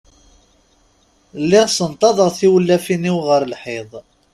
Lliɣ ssenṭaḍeɣ tiwlafin-iw ɣer lḥiḍ.